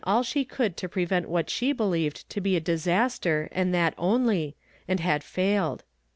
»» 27 all she could to prevent what she believed to be disaster and that only, and had failed.